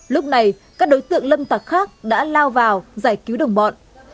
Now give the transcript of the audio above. lúc này các đối tượng lâm tặc khác đã lao vào giải cứu đồng bọn